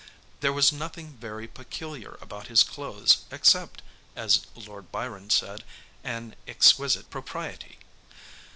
There was nothing very peculiar about his clothes except, as Lord Byron said, 'an exquisite propriety.'